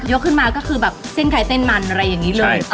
ขึ้นมาก็คือแบบเส้นใครเส้นมันอะไรอย่างนี้เลย